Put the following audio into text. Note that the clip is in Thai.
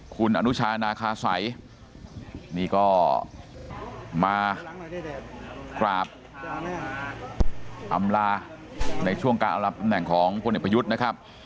คุณอนุชานาคาสัยนี่ก็มากราบอำลาในช่วงการอำรับตำแหน่งของพลเอกประยุทธ์นะครับ